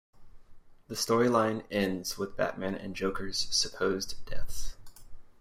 The storyline ends with Batman and the Joker's supposed deaths.